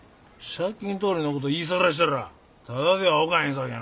借金取りのこと言いさらしたらただではおかへんさけな。